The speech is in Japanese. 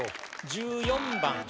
１４番。